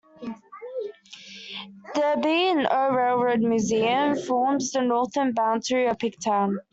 The B and O Railroad Museum forms the northern boundary of Pigtown.